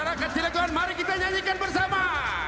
masyarakat silakan mari kita nyanyikan bersama